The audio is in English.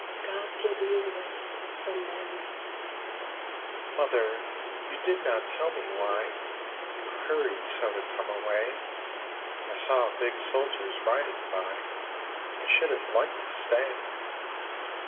God give me rest from men !)"" Mother, you did not tell me why You hurried so to come away. I saw big soldiers riding by. I should have liked to stay."